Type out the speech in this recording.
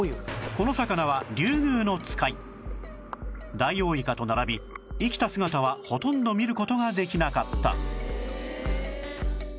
この魚はダイオウイカと並び生きた姿はほとんど見る事ができなかった